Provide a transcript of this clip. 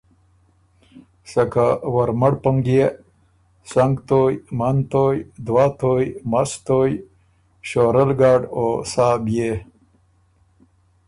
سکه ورمړ پنګے، سنګتویٛ، منتویٛ، دوه تویٛ، مستویٛ، شورۀ الګډ او سا بيے